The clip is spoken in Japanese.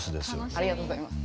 ありがとうございます。